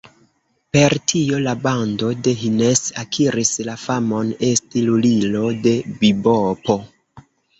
Per tio la bando de Hines akiris la famon esti "lulilo de bibopo".